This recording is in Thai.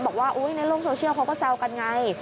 บอกว่าในโลกโซเชียลเขาก็แซวกันไง